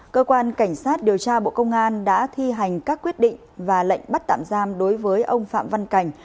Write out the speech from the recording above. cơ quan cảnh sát điều tra bộ công an đã thi hành các quyết định và lệnh bắt tạm giam đối với ông phạm văn cảnh